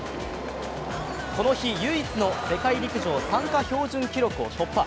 この日唯一の世界陸上参加標準記録を突破。